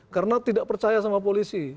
karena tidak percaya sama polisi